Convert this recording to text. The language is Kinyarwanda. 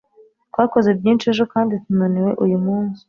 twakoze byinshi ejo kandi tunaniwe uyu munsi